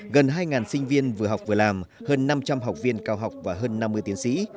gần hai sinh viên vừa học vừa làm hơn năm trăm linh học viên cao học và hơn năm mươi tiến sĩ